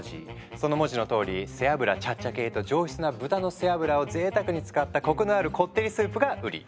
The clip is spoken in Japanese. その文字のとおり背脂チャッチャ系と上質な豚の背脂をぜいたくに使ったコクのあるこってりスープが売り。